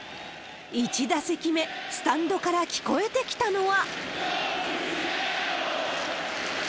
１打席目、スタンドから聞こえてきたのは。